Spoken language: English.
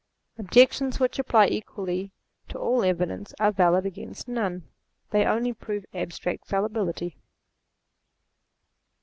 Objections which apply equally to all evidence are valid against none. They only prove abstract falli bility.